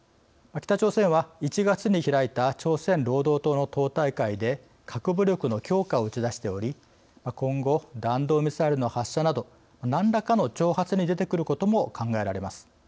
北朝鮮は１月に開いた朝鮮労働党の党大会で核武力の強化を打ち出しており今後、弾道ミサイルの発射など何らかの挑発に出てくることも考えられます。